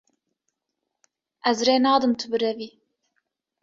Ez rê nadim tu birevî.